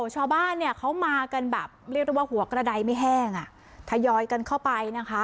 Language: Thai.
ชาวบ้านเนี่ยเขามากันแบบเรียกได้ว่าหัวกระดายไม่แห้งอ่ะทยอยกันเข้าไปนะคะ